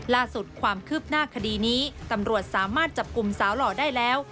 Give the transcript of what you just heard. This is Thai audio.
ล่าสุดความคืบหน้าคดีนี้ตำรวจสามารถจับกลุ่มสาวหล่อได้แล้ว